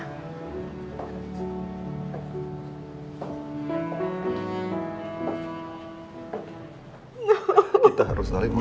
sama lapasnya untuk menghadiri perbualaan ini ya